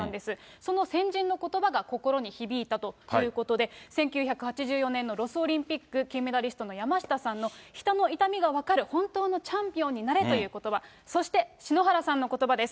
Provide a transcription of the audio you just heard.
その先人のことばが心に響いたということで、１９８４年のロスオリンピック金メダリストの山下さんの人の痛みが分かる本当のチャンピオンになれということば、そして篠原さんのことばです。